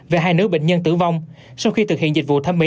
về hai nữ bệnh nhân tử vong sau khi thực hiện dịch vụ thăm mỹ